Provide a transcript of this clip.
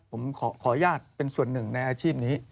ผมขออนุญาตเป็นส่วนหนึ่งในอาชีพนี้